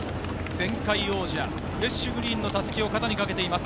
前回王者フレッシュグリーンの襷をかけています。